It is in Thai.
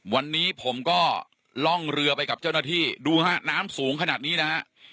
วันนี้ผมก็ล่องเรือไปกับเจ้าหน้าที่ดูฮะน้ำสูงขนาดนี้นะฮะ